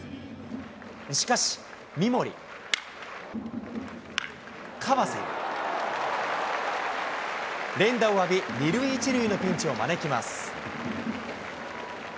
しかし、三森、川瀬、連打を浴び、２塁１塁のピンチを招きます。